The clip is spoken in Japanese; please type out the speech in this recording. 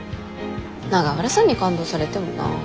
永浦さんに感動されてもな。